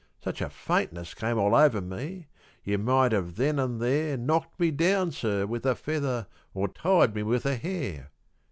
Such a faintness came all over me, you might have then an' there Knocked me down, sir, with a feather or tied me with a hair.